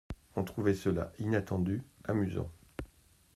On trouvait cela inattendu, amusant.